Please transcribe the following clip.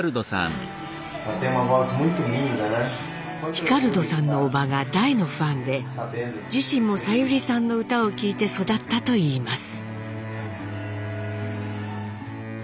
ヒカルドさんの叔母が大のファンで自身もさゆりさんの歌を聴いて育ったといいます。